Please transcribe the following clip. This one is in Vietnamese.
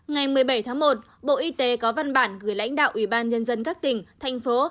ngày một mươi bảy tháng một bộ y tế có văn bản gửi lãnh đạo ủy ban nhân dân các tỉnh thành phố